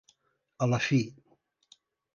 A la fi.